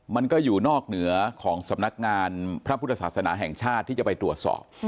มันก็อยู่นอกเหนือของสำนักงานพระพุทธศาสนาแห่งชาติที่จะไปตรวจสอบ